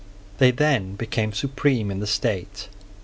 They then became supreme in the state.